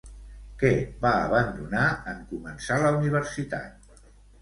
Què va abandonar en començar la universitat?